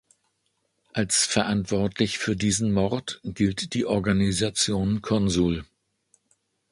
Als verantwortlich für diesen Mord gilt die Organisation Consul.